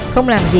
không làm gì